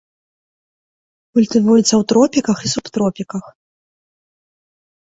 Культывуецца ў тропіках і субтропіках.